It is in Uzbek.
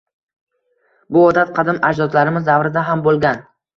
Bu odat qadim ajdodlarimiz davrida ham bo‘lgan